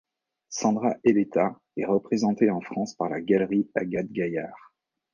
Sandra Eleta est représentée en France par la Galerie Agathe Gaillard.